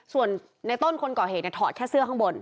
ส่วนในต้นคนก่อเหตุถอดแค่เสื้อข้างบน